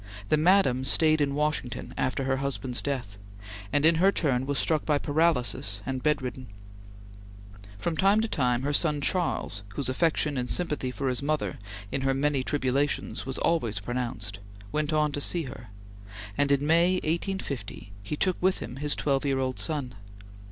The Madam stayed in Washington, after her husband's death, and in her turn was struck by paralysis and bedridden. From time to time her son Charles, whose affection and sympathy for his mother in her many tribulations were always pronounced, went on to see her, and in May, 1850, he took with him his twelve year old son.